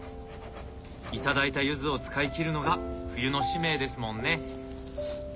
頂いたゆずを使い切るのが冬の使命ですもんね。